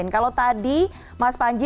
kalau tadi mas panji